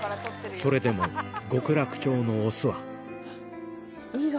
それでも極楽鳥のオスはいいぞ！